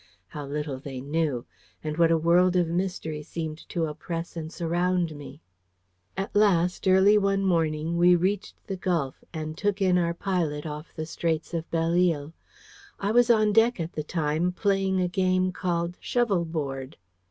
How little they knew! And what a world of mystery seemed to oppress and surround me! At last, early one morning, we reached the Gulf, and took in our pilot off the Straits of Belleisle. I was on deck at the time, playing a game called "Shovelboard."